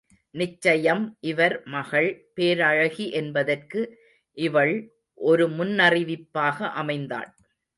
நிச்சயம் இவர் மகள் பேரழகி என்பதற்கு இவள் ஒரு முன்னறிவிப்பாக அமைந்தாள்.